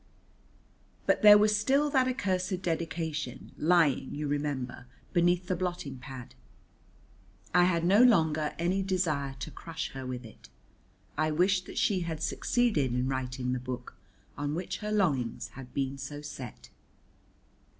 But there was still that accursed dedication, lying, you remember, beneath the blotting pad. I had no longer any desire to crush her with it. I wished that she had succeeded in writing the book on which her longings had been so set.